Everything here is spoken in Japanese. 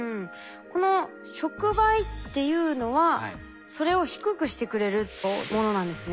この触媒っていうのはそれを低くしてくれるものなんですね。